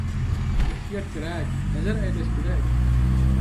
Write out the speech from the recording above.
ئېھتىيات كېرەك! ھەزەر ئەيلەش كېرەك!